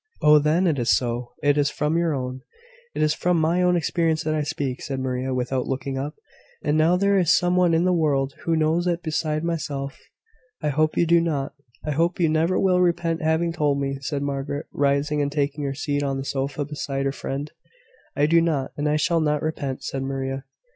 "Oh, then, it is so it is from your own " "It is from my own experience that I speak," said Maria, without looking up. "And now, there is some one in the world who knows it beside myself." "I hope you do not I hope you never will repent having told me," said Margaret, rising and taking her seat on the sofa, beside her friend. "I do not, and I shall not repent," said Maria.